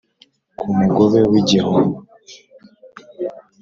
ku mugobe w’igihombo